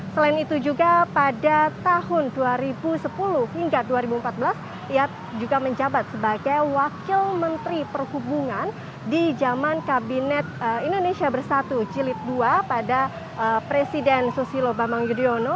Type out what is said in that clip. selain itu juga pada tahun dua ribu sepuluh hingga dua ribu empat belas ia juga menjabat sebagai wakil menteri perhubungan di zaman kabinet indonesia bersatu jilid dua pada presiden susilo bambang yudhoyono